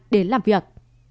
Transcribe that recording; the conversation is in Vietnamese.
đến làm việc